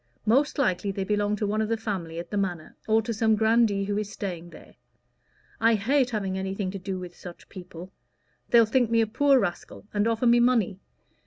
Most likely they belong to one of the family at the Manor, or to some grandee who is staying there. I hate having anything to do with such people. They'll think me a poor rascal, and offer me money.